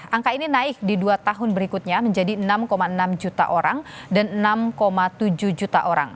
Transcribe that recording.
angka ini naik di dua tahun berikutnya menjadi enam enam juta orang dan enam tujuh juta orang